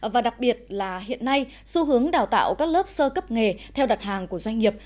và đặc biệt là hiện nay xu hướng đào tạo các lớp sơ cấp nghề theo đặt hàng của doanh nghiệp